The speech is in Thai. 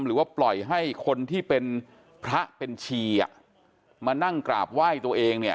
หรือว่าปล่อยให้คนที่เป็นพระเป็นชีอ่ะมานั่งกราบไหว้ตัวเองเนี่ย